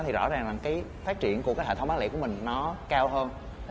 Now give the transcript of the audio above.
thì rõ ràng là cái phát triển của cái hệ thống bán lẻ của mình nó cao hơn